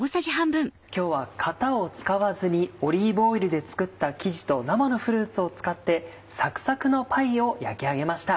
今日は型を使わずにオリーブオイルで作った生地と生のフルーツを使ってサクサクのパイを焼き上げました。